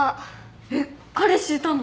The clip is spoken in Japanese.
えっ彼氏いたの？